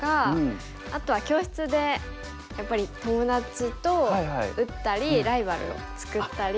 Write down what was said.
あとは教室でやっぱり友達と打ったりライバルを作ったり。